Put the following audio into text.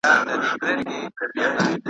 سبا اختر دی خو د چا اختر دی .